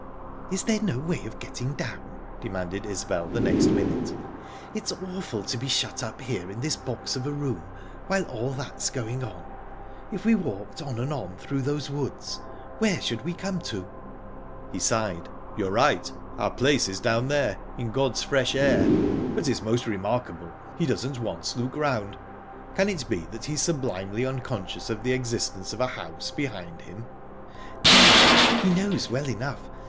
"Is there no way of getting down?" demanded Isbel, the next minute. "It's awful to be shut up here in this box of a room while all that's going on...If we walked on and on through those woods, where should we come to?" He sighed. "You're right. Our place is down there, in God's fresh air...But it's most remarkable he doesn't once look round. Can it be that he's sublimely unconscious of the existence of a house behind him?" "No, he knows well enough...